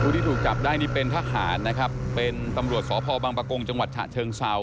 ที่ถูกจับได้นี่เป็นทหารนะครับเป็นตำรวจสพบังปะกงจังหวัดฉะเชิงเศร้า